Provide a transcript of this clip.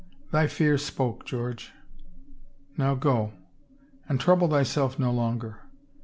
" Thy fear spoke, George. ... Now go, and trouble thyself no longer.